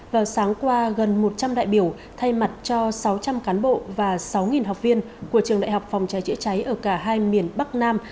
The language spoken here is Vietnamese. vào sáng qua gần một trăm linh đại biểu thay mặt cho sáu trăm linh cán bộ và sáu học viên của trường đại học phòng cháy chữa cháy ở cả hai miền bắc nam